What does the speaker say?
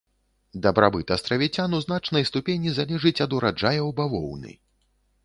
Дабрабыт астравіцян у значнай ступені залежыць ад ураджаяў бавоўны.